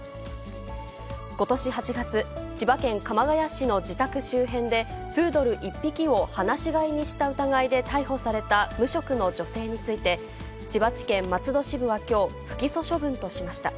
ことし８月、千葉県鎌ケ谷市の自宅周辺で、プードル１匹を放し飼いにした疑いで逮捕された無職の女性について、千葉地検松戸支部はきょう、不起訴処分としました。